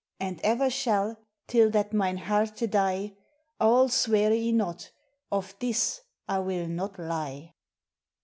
And ever shall, till that mine herte die All swere I not, of this I will not lie.